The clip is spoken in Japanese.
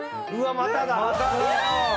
まただよ！